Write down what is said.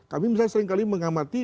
kami misalnya seringkali mengamati